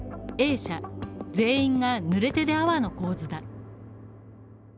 社全員が濡れ手で粟の構図だ。